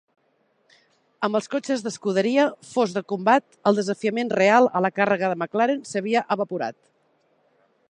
Amb els cotxes de Scuderia fos de combat, el desafiament real a la càrrega de McLaren s'havia evaporat.